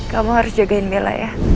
kamu harus jagain bella ya